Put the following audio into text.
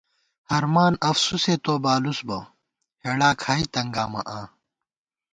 ہرمان افسُوسے تو بالُوس بہ ، ہېڑا کھائی تنگامہ آں